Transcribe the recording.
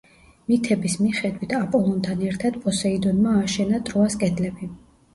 მითების მიხედვით აპოლონთან ერთად პოსეიდონმა ააშენა ტროას კედლები.